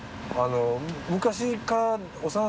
昔からの。